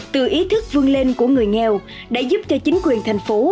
từ ý thức vươn lên của người nghèo đã giúp cho chính quyền thành phố